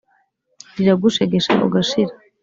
Riragushegesha ugashira